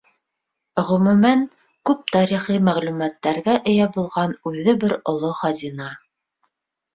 Ғөмүмән, күп тарихи мәғлүмәттәргә эйә булған үҙе бер оло хазина.